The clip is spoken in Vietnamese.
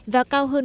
và cao hơn